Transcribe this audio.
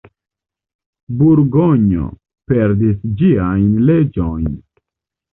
Burgonjo perdis ĝiajn leĝojn.